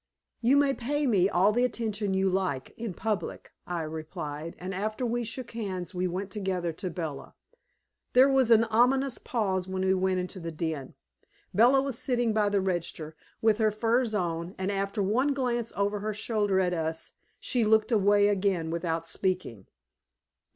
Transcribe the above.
"You may pay me all the attention you like, in public," I replied, and after we shook hands we went together to Bella. There was an ominous pause when we went into the den. Bella was sitting by the register, with her furs on, and after one glance over her shoulder at us, she looked away again without speaking.